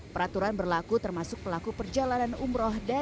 peraturan berlaku termasuk pelaku perjalanan umroh